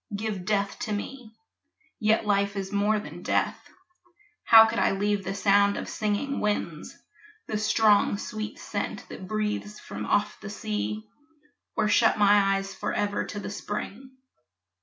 Give death to me. Yet life is more than death; How could I leave the sound of singing winds, The strong sweet scent that breathes from off the sea, Or shut my eyes forever to the spring?